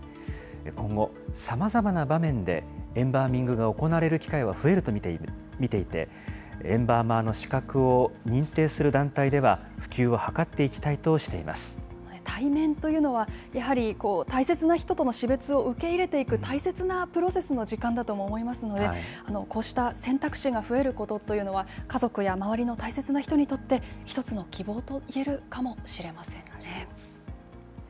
今後、さまざまな場面で、エンバーミングが行われる機会は増えると見ていて、エンバーマーの資格を認定する団体では、普及を図っていきたいと対面というのは、やはり大切な人との死別を受け入れていく、大切なプロセスの時間だとも思いますので、こうした選択肢が増えることというのは、家族や周りの大切な人にとって、一つの希望といえるかもしれませんよね。